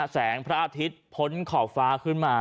แสงพระอาทิตย์พ้นขอบฟ้าขึ้นมา